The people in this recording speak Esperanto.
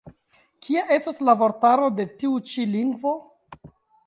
Kia estos la vortaro de tiu ĉi lingvo?